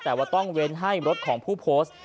แต่ว่าต้องเว้นให้รถของผู้โพสต์